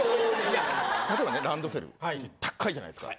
例えばねランドセルたっかいじゃないですか。